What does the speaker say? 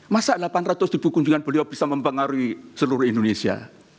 masa delapan ratus ribu kunjungan beliau bisa mempengaruhi seluruh indonesia